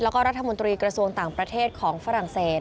แล้วก็รัฐมนตรีกระทรวงต่างประเทศของฝรั่งเศส